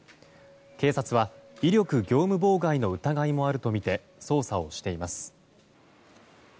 警察は威力業務妨害の疑いもあるとみて捜査をしています。